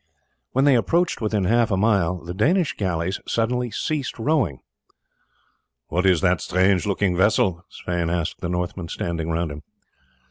When they approached within half a mile the Danish galleys suddenly ceased rowing. "What is that strange looking vessel?" Sweyn asked the Northmen standing round him.